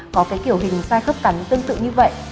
có cái kiểu hình xe khớp cắn tương tự như vậy